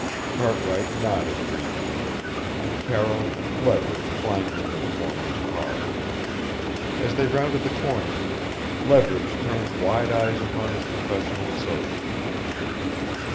Cartwright nodded briefly, and Carroll and Leverage climbed into the former's car. As they rounded the corner, Leverage turned wide eyes upon his professional associate.